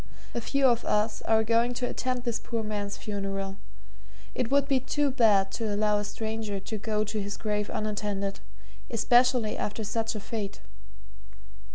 A few of us are going to attend this poor man's funeral it would be too bad to allow a stranger to go to his grave unattended, especially after such a fate.